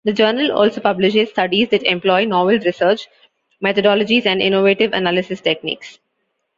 The journal also publishes studies that employ novel research methodologies and innovative analysis techniques.